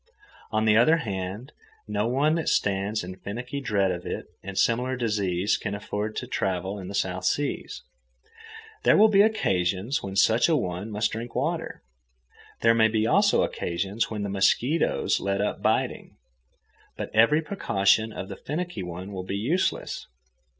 On the other hand, no one that stands in finicky dread of it and similar diseases can afford to travel in the South Seas. There will be occasions when such a one must drink water. There may be also occasions when the mosquitoes let up biting. But every precaution of the finicky one will be useless.